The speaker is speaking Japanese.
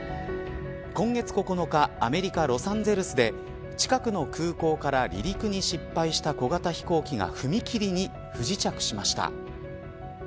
今月９日アメリカ、ロサンゼルスで近くの空港から離陸に失敗した小型飛行機が踏切に不時着しました。